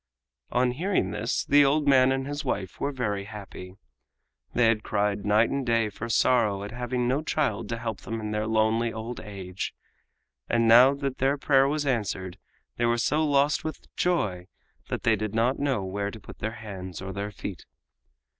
On hearing this the old man and his wife were very happy. They had cried night and day for sorrow at having no child to help them in their lonely old age, and now that their prayer was answered they were so lost with joy that they did not know where to put their hands or their feet.